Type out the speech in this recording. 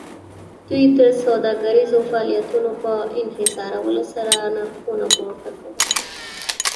دوی د سوداګریزو فعالیتونو په انحصارولو سره نرخونه پورته کول